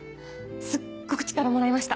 すっごく力もらいました。